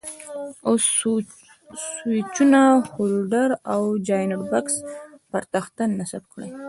اوس سویچونه، هولډر او جاینټ بکسونه پر تخته نصب کړئ.